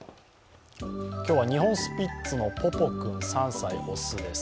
今日は日本スピッツのぽぽ君３歳、雄です。